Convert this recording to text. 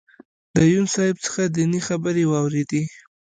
د یون صاحب څخه دینی خبرې واورېدې.